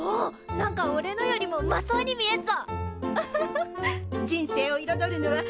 なんかおれのよりもうまそうに見えっぞ！